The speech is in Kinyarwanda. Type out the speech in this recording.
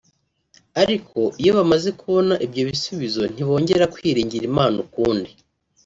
ariko iyo bamaze kubona ibyo bisubizo ntibongera kwiringira Imana ukundi